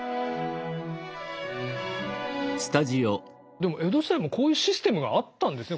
でも江戸時代もこういうシステムがあったんですね。